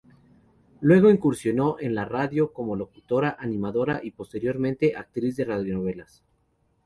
Luego incursionó en la radio como locutora, animadora y posteriormente actriz de radionovelas.